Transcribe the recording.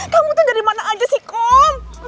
kamu tuh dari mana aja sih kom